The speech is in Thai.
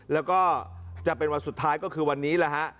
แล้วก็จะเป็นวันสุดท้ายก็คือวันนี้แหละฮะ